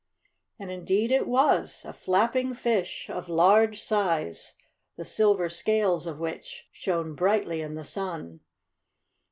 And indeed it was, a flapping fish, of large size, the silver scales of which shone brightly in the sun.